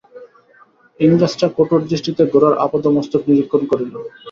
ইংরেজটা কঠোর দৃষ্টিতে গোরার আপাদমস্তক নিরীক্ষণ করিল।